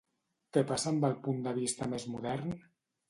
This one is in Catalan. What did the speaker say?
Què passa amb el punt de vista més modern?